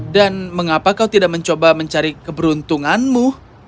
dan mengapa kau tidak mencoba mencari keberuntunganmu